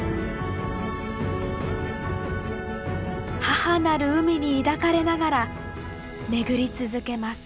母なる海に抱かれながらめぐり続けます。